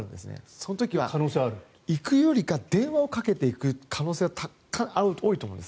その時は行くよりは電話をかけて行く可能性は多いと思うんです。